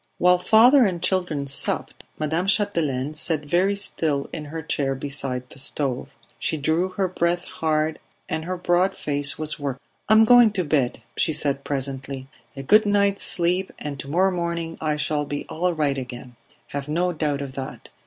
While father and children supped, Madame Chapdelaine sat very still in her chair beside the stove. She drew her breath hard, and her broad face was working. "I am going to bed," she said presently. "A good night's sleep, and to morrow morning I shall be all right again; have no doubt of that.